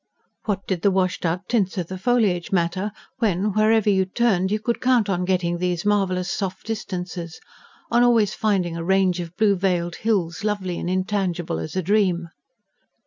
What did the washed out tints of the foliage matter, when, wherever you turned, you could count on getting these marvellous soft distances, on always finding a range of blue veiled hills, lovely and intangible as a dream?